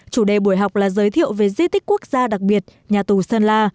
chủ đề buổi học là giới thiệu về di tích quốc gia đặc biệt nhà tù sơn la